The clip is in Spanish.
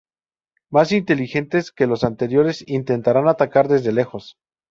Más inteligentes que los anteriores, intentarán atacar desde lejos.